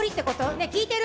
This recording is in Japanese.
ねえ聞いてる？